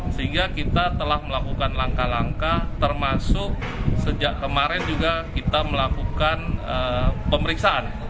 sehingga kita telah melakukan langkah langkah termasuk sejak kemarin juga kita melakukan pemeriksaan